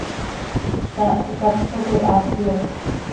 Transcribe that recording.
Zaah quih catxo coi haa cöyoofp.